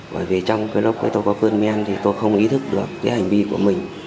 bởi vì trong cái lúc ấy tôi có cơn men thì tôi không ý thức được cái hành vi của mình